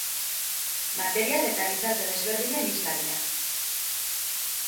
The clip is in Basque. Material eta gizarte desberdinen isla dira.